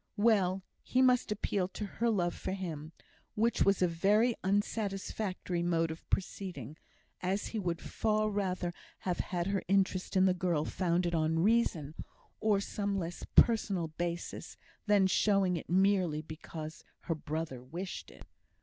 Well, he must appeal to her love for him, which was a very unsatisfactory mode of proceeding, as he would far rather have had her interest in the girl founded on reason, or some less personal basis than showing it merely because her brother wished it.